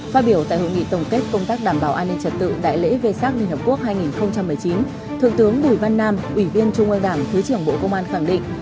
phát biểu tại hội nghị tổng kết công tác đảm bảo an ninh trật tự đại lễ vê sát liên hợp quốc hai nghìn một mươi chín thượng tướng bùi văn nam ủy viên trung ương đảng thứ trưởng bộ công an khẳng định